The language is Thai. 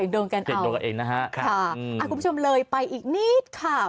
โดนกันเองโดนกันเองนะฮะค่ะคุณผู้ชมเลยไปอีกนิดค่ะ